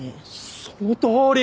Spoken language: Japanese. そのとおり！